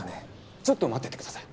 ちょっと待っててください。